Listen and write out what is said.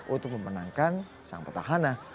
untuk memenangkan sang pertahanan